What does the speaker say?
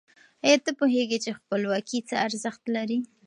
آیا ته پوهېږي چې خپلواکي څه ارزښت لري؟